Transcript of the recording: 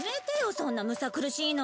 そんなむさ苦しいの！